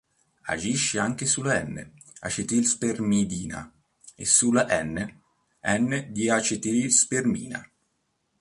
Agisce anche sulla "N"-acetilspermidina e sulla "N","N"-diacetilspermina.